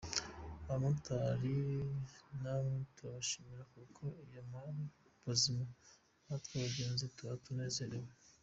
Abamotari namwe turabashimira kuko iyo muri bazima natwe abagenzi tuba tunezerewe.